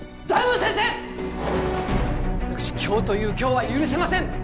わたくし今日という今日は許せません。